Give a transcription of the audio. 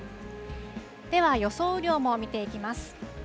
では予想雨量も見ていきます。